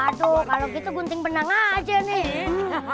aduh kalau gitu gunting benang aja nih